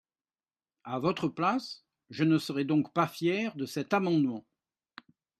À votre place, je ne serai donc pas fier de cet amendement.